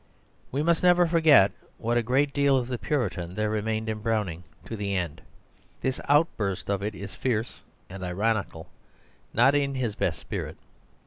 We must never forget what a great deal of the Puritan there remained in Browning to the end. This outburst of it is fierce and ironical, not in his best spirit.